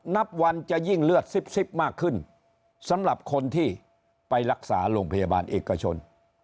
นับวันจะยิ่งเลือดซิบมากขึ้นสำหรับคนที่ไปรักษาโรงพยาบาลเอกชน